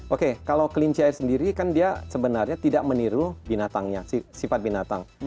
oke kalau kelinci air sendiri kan dia sebenarnya tidak meniru binatangnya sifat binatang